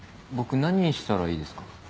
僕何したらいいですか？